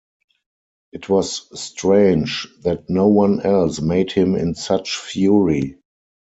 It was strange that no one else made him in such fury.